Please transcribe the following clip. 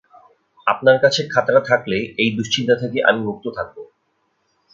আপনার কাছে খাতাটা থাকলে এই দুশ্চিন্তা থেকে আমি মুক্ত থাকব।